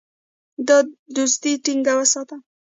دا دوستي ټینګه وساتي.